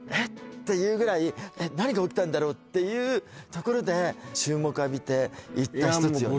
ていうぐらいえっ何が起きたんだろうっていうところで注目浴びていったひとつよね